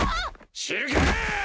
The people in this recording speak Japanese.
知るか！